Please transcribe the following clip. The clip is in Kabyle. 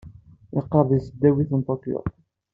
Yeqqaṛ di tesdawit n ṭukyu.